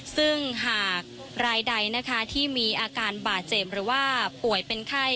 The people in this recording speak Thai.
ซึ่งหากรายใดนะคะที่มีอาการบาดเจ็บหรือว่าป่วยเป็นไข้